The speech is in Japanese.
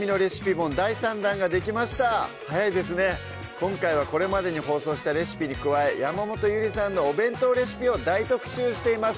今回はこれまでに放送したレシピに加え山本ゆりさんのお弁当レシピを大特集しています